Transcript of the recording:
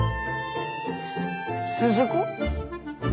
す鈴子？